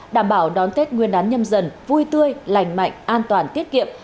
đảm bảo đón tết nguyên đán nhâm dần vui tươi lành mạnh an toàn tiết kiệm